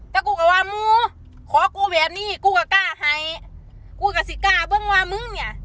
แต่กูกับว่ามูขอกูแบบนี้กูกับกล้าไห้กูกับสิกล้าเบิ่งว่ามึงเนี้ย